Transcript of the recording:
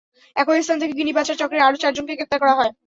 একই স্থান থেকে কিডনি পাচার চক্রের আরও চারজনকে গ্রেপ্তার করা হয়।